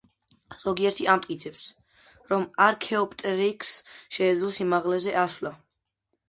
ზოგიერთი ამტკიცებს, რომ არქეოპტერიქსს შეძლო სიმაღლეზე ასვლა.